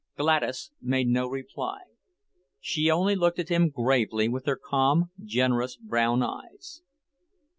Gladys made no reply. She only looked at him gravely with her calm, generous brown eyes.